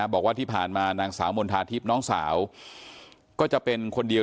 บอกว่าที่ผ่านมานางสาวมณฑาทิพย์น้องสาวก็จะเป็นคนเดียว